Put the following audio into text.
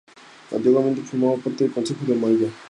Antiguamente formaba parte del concejo de Omaña.